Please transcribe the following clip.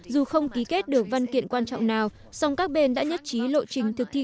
dù không ký kết được văn kiện quan trọng nào song các bên đã nhất trí lộ trình thực thi